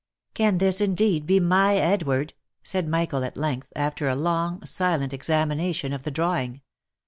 " Can this indeed be my Edward?" said Michael at length, after a long silent examination of the drawing.